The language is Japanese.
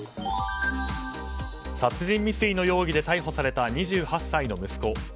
殺人未遂の容疑で逮捕された２８歳の息子。